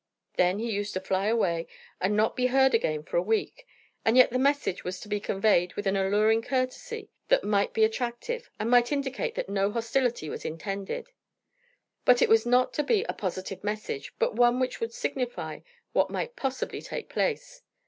Then he used to fly away and not be heard of again for a week. And yet the message was to be conveyed with an alluring courtesy that might be attractive, and might indicate that no hostility was intended. But it was not to be a positive message, but one which would signify what might possibly take place.